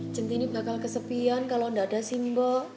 centini bakal kesepian kalo gak ada simbo